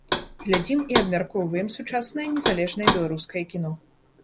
Глядзім і абмяркоўваем сучаснае незалежнае беларускае кіно.